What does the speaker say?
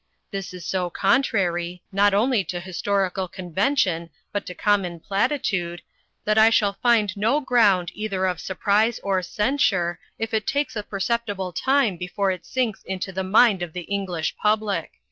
This is so contrary, not only to historical convention but to common platitude, that I shall find no ground either of surprise or censure if it takes a perceptible time before it sinks into the mind of the English public.